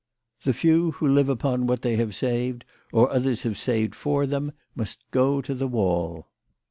The few who live upon what they have saved or others have saved for them must go to the wall."